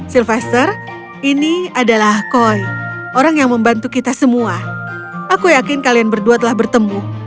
silvester ini adalah koi orang yang membantu kita semua aku yakin kalian berdua telah bertemu